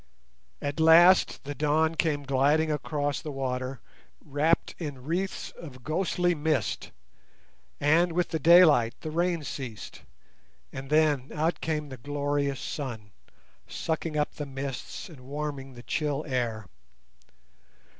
At last the dawn came gliding across the water, wrapped in wreaths of ghostly mist, and, with the daylight, the rain ceased; and then, out came the glorious sun, sucking up the mists and warming the chill air.